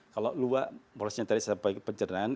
kalau luwak prosesnya tadi sampai pencernaan